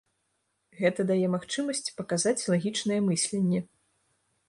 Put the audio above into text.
Гэта дае магчымасць паказаць лагічнае мысленне.